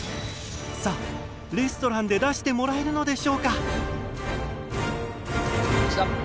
さあレストランで出してもらえるのでしょうか？